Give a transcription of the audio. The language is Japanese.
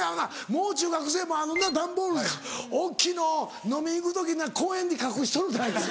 もう中学生もあのな段ボール大っきいの飲み行く時な公園に隠しとるであいつ。